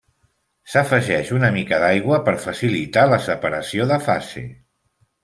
S'afegeix una mica d'aigua per facilitar la separació de fase.